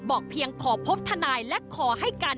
เพียงขอพบทนายและขอให้การ